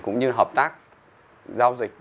cũng như hợp tác giao dịch